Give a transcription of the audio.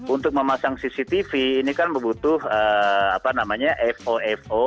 untuk memasang cctv ini kan membutuh apa namanya fo fo